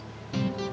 sekuci udah pak